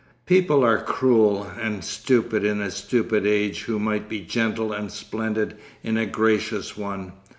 People are cruel and stupid in a stupid age who might be gentle and splendid in a gracious one.